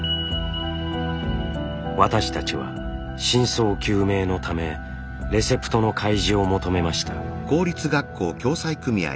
私たちは真相究明のためレセプトの開示を求めました。